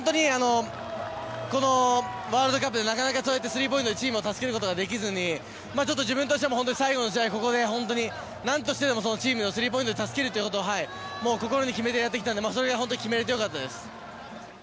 このワールドカップでなかなかスリーポイントでチームを助けることができずに自分としても本当に最後の試合何としてでもチームをスリーポイントで助けると心に決めてやってきたのでそれが決められてよかったです。